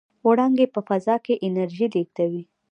وړانګې په فضا کې انرژي لېږدوي.